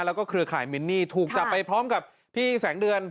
แล้วก็เครือข่ายมินนี่ถูกจับไปพร้อมกับพี่แสงเดือน